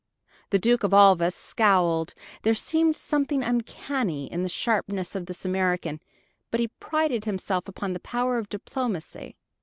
The Duke of Alva scowled. There seemed something uncanny in the sharpness of this American; but he prided himself upon the power of diplomacy.